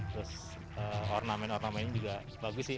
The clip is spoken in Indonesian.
terus ornamen ornamen juga bagus sih